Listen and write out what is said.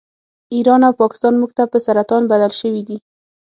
ایران او پاکستان موږ ته په سرطان بدل شوي دي